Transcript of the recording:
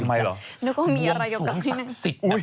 ทำไมหรอ